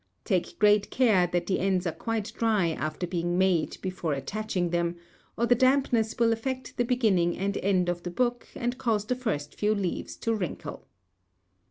Take great care that the ends are quite dry after being made before attaching them, or the dampness will affect the beginning and end of the book and cause the first few leaves to wrinkle.